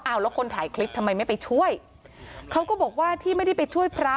เอาแล้วคนถ่ายคลิปทำไมไม่ไปช่วยเขาก็บอกว่าที่ไม่ได้ไปช่วยพระ